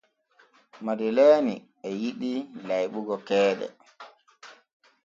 Madeleeni e yiɗi layɓugo keeɗe.